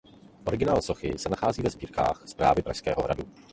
Originál sochy se nachází ve sbírkách Správy Pražského hradu.